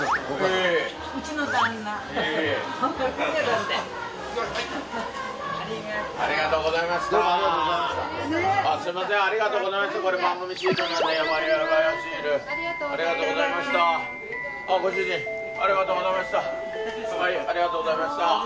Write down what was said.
ご主人ありがとうございました。